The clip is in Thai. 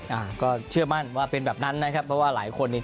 อ่าก็เชื่อมั่นว่าเป็นแบบนั้นนะครับเพราะว่าหลายคนเนี่ย